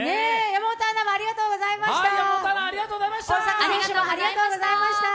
山本アナもありがとうございました。